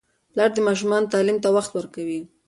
پلار د ماشومانو تعلیم ته وخت ورکوي.